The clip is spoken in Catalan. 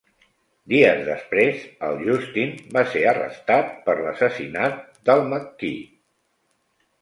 Dies després, el Justin va ser arrestat per l'assassinat del Macki.